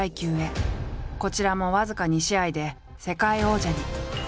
こちらも僅か２試合で世界王者に。